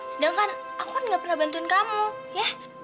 sedangkan aku kan gak pernah bantuin kamu ya